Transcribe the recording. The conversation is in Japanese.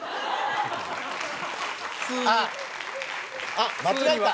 あっ間違えた。